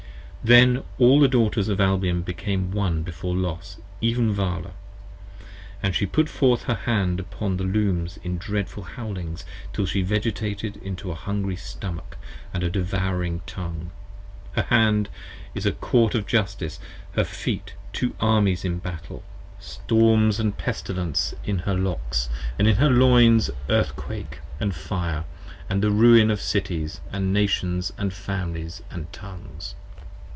Then All the Daughters of Albion became One before Los: even Vala. And she put forth her hand upon the Looms in dreadful howlings, Till she vegetated into a hungry Stomach & a devouring Tongue. Her Hand is a Court of Justice, her Feet, two Armies in Battle: 10 Storms & Pestilence, in her Locks: & in her Loins Earthquake And Fire, & the Ruin of Cities & Nations & Families & Tongues.